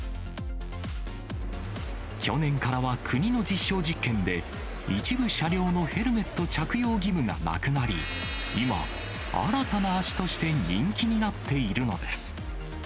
去年からは国の実証実験で、一部車両のヘルメット着用義務がなくなり、今、新たな足として人気になっているのです。